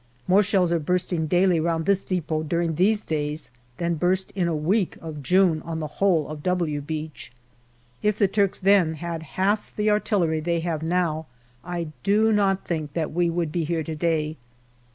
More shells are bursting daily round this depot during these days than burst in a week of June on the whole of " W " Beach. If the Turks then had had half the artillery that they have now, I do not think that we would be here to day.